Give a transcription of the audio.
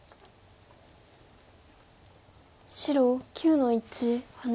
白９の一ハネ。